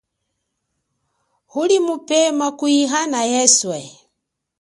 Uli mupema kuhiana eswe.